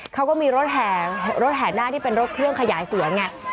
เขาก็มีรถแห่รถแห่หน้าที่เป็นรถเครื่องขยายเสียงไง